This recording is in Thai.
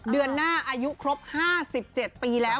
เดือนหน้าอายุครบ๕๗ปีแล้ว